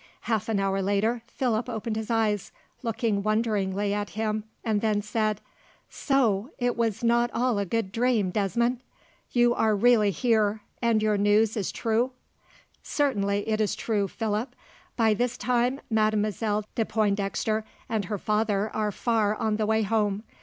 Half an hour later, Philip opened his eyes, looked wonderingly at him, and then said: "So, it was not all a good dream, Desmond! You are really here, and your news is true?" "Certainly, it is true, Philip. By this time Mademoiselle de Pointdexter and her father are far on the way home.